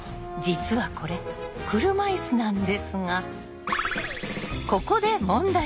実はこれ車いすなんですがここで問題。